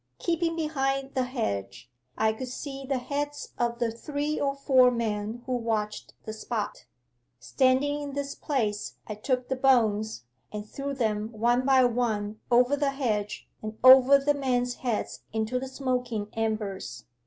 Keeping behind the hedge, I could see the heads of the three or four men who watched the spot. 'Standing in this place I took the bones, and threw them one by one over the hedge and over the men's heads into the smoking embers.